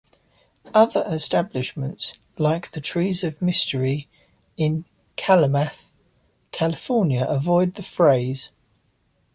Other establishments like The "Trees of Mystery" in Klamath, California avoid the phrase.